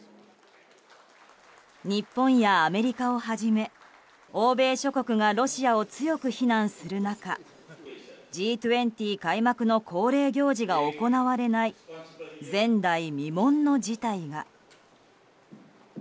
日本やアメリカをはじめ欧米諸国がロシアを強く非難する中Ｇ２０開幕の恒例行事が行われない前代未聞の事態が。